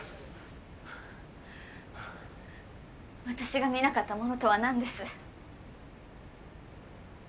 私が見なかったものとは何です。